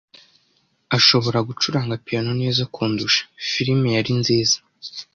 Ashobora gucuranga piyano neza kundusha. Filime yari nziza?